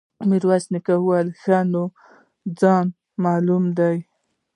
ميرويس خان وويل: ښه نو، خاين معلوم دی.